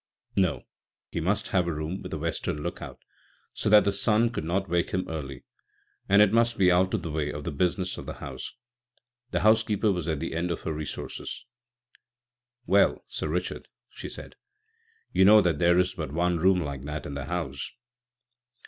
No, he must have a room, with a western look out, so that the sun could not wake him early, and it must be out of the way of the business of the house. The housekeeper was at the end of her resources. "Well, Sir Richard," she said, "you know that there is but one room like that in the house."